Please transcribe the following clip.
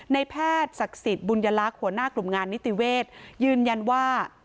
ในแพทย์ศักดิ์สิทธิ์บุญลักษณ์หัวหน้ากลุ่มงานนิติเวศยืนยันว่า